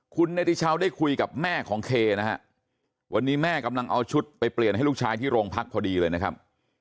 คุณเนติชาวได้คุยกับแม่ของเคนะฮะวันนี้แม่กำลังเอาชุดไปเปลี่ยนให้ลูกชายที่โรงพักพอดีเลยนะครับ